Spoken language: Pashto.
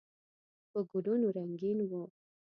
په ګلونو رنګین و.